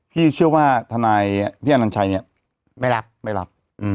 พี่เชื่อว่าพี่อันนันชัยไม่รับ